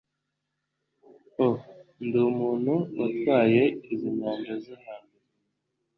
O, Ndi umuntu watwaye izo nyanja zo hambere